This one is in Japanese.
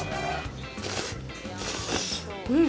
うん！